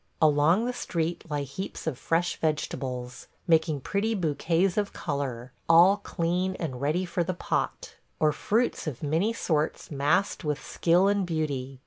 Along the street lie heaps of fresh vegetables – making pretty bouquets of color, all clean and ready for the pot – or fruits of many sorts massed with skill and beauty